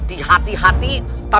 di wajah kita